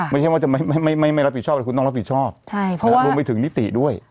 ไม่ใช่ว่าจะไม่รับผิดชอบแต่คุณต้องรับผิดชอบรวมไปถึงนิติด้วย